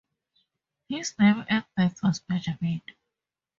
His name at birth was Benjamin.